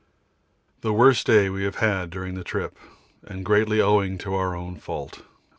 The worst day we have had during the trip and greatly owing to our own fault.